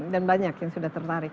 dan banyak yang sudah tertarik